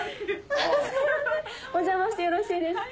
お邪魔してよろしいですか？